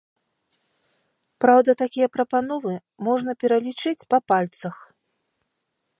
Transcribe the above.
Праўда, такія прапановы можна пералічыць па пальцах.